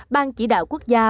ban chỉ đạo quốc gia